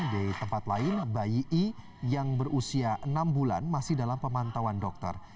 di tempat lain bayi i yang berusia enam bulan masih dalam pemantauan dokter